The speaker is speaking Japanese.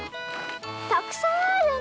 たくさんあるね